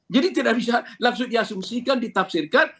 jadi tidak bisa langsung diasumsikan ditafsirkan